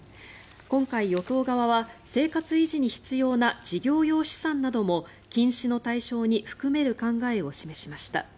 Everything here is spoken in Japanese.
今回、与党側は生活維持に必要な事業用資産なども禁止の対象に含める考えを示しました。